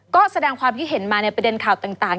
ก็แสดงความคิดเห็นมาในประเด็นข่าวต่าง